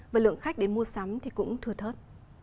và lượng khách đến mua sắm cũng thừa thớt